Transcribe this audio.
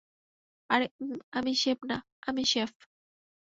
আর, উম, আমি শেফ না, আপনি শেফ।